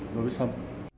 đối với sâm